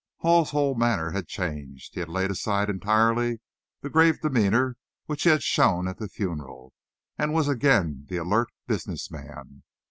Hall's whole manner had changed. He had laid aside entirely the grave demeanor which he had shown at the funeral, and was again the alert business man.